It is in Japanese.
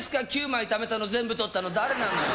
９枚ためたの全部取ったの、誰なんだよ。